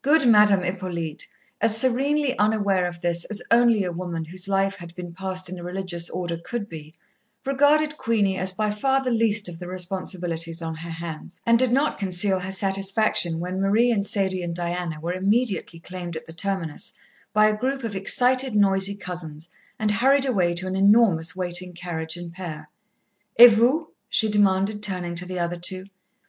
Good Madame Hippolyte, as serenely unaware of this as only a woman whose life had been passed in a religious Order could be, regarded Queenie as by far the least of the responsibilities on her hands, and did not conceal her satisfaction when Marie and Sadie and Diana were immediately claimed at the terminus by a group of excited, noisy cousins, and hurried away to an enormous waiting carriage and pair. "Et vous?" she demanded, turning to the other two.